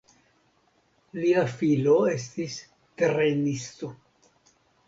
Lia filo estis trejnisto.